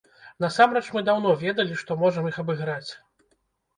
Насамрэч мы даўно ведалі, што можам іх абыграць.